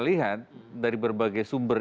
lihat dari berbagai sumber